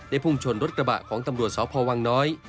พุ่งชนรถกระบะของตำรวจสพวังน้อย